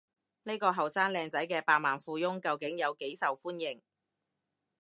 呢個後生靚仔嘅百萬富翁究竟有幾受歡迎？